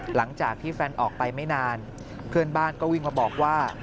หลังจากที่แฟนออกไปไม่นานเพื่อนบ้านก็วิ่งมาบอกว่า